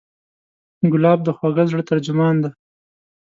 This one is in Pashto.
ګلاب د خوږه زړه ترجمان دی.